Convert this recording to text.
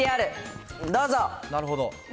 なるほど。